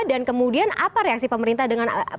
dan kemudian apa reaksi pemerintah dengan